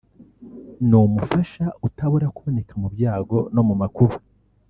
ni umufasha utabura kuboneka mu byago no mu makuba…